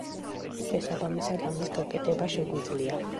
შესაბამისად, ამის გაკეთება შეგვიძლია.